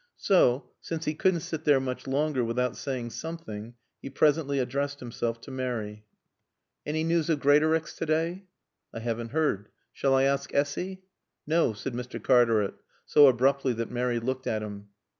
So, since he couldn't sit there much longer without saying something, he presently addressed himself to Mary. "Any news of Greatorex today?" "I haven't heard. Shall I ask Essy?" "No," said Mr. Cartaret, so abruptly that Mary looked at him.